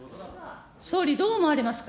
総理、どう思われますか。